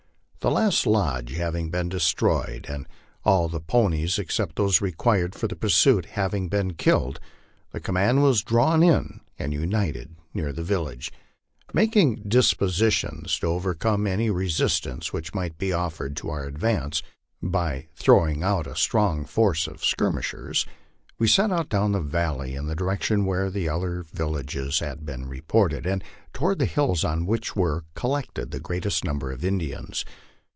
The last lodge having been destroyed, and all the ponies except those required for the pursuit having been killed, the command wns drawn in and united near the village. Making dispositions to overcome any resistance which might be offered to our advance, by throwing out a strong force of skirmishers, we set out down the valley in the direction where the other villages had been reported, and toward the hills on which were col lected the greatest number of Indians.